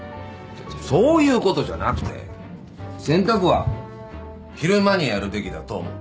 そういうことじゃなくて洗濯は昼間にやるべきだと思う。